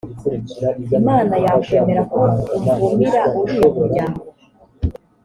imana yakwemera ko umvumira uriya muryango.